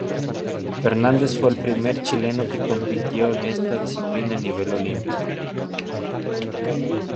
Fernández fue el primer chileno que compitió en esta disciplina a nivel olímpico.